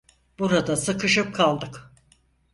Burada sıkışıp kaldık.